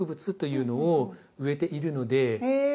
へえ。